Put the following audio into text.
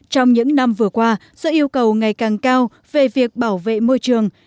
trong những năm vừa qua do yêu cầu ngày càng cao về việc bảo vệ môi trường